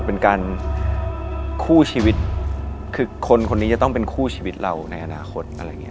เป็นการคู่ชีวิตคือคนนี้จะต้องเป็นคู่ชีวิตเราในอนาคต